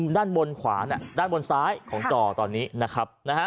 ด้านบนสายของต่อตอนนี้นะครับ